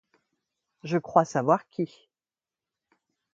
Je crois savoir qui.